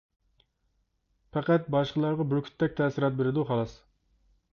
پەقەت باشقىلارغا بۈركۈتتەك تەسىرات بېرىدۇ خالاس.